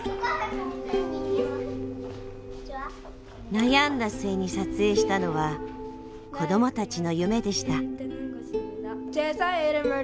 悩んだ末に撮影したのは子どもたちの夢でした。